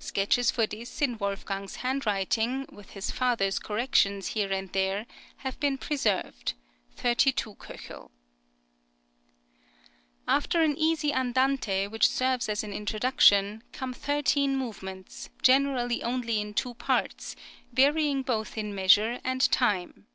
Sketches for this in Wolfgang's handwriting, with his father's corrections here and there, have {FIRST JOURNEY.} (46) been preserved (32 K).[20043] After an easy andante, which serves as an introduction, come thirteen movements, generally only in two parts, varying both in measure and time.